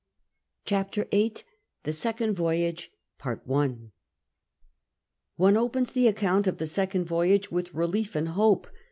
CHAPTER VIII THE SECOND VOYAGE One opens the account of the second voyage with relief and hope.